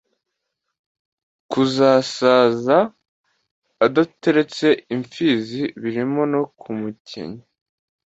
kuzasaza adateretse imfizi, birimo no kumukenya